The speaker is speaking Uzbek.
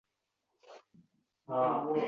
osoyishta kelajakka umid tobora kamayib boraveradi.